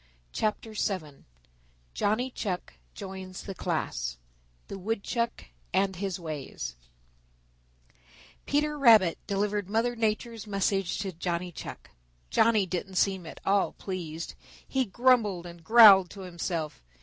CHAPTER VII Johnny Chuck Joins the Class Peter Rabbit delivered Mother Nature's message to Johnny Chuck. Johnny didn't seem at all pleased. He grumbled and growled to himself.